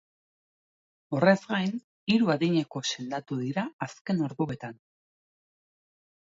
Horrez gain, hiru adineko sendatu dira azken orduetan.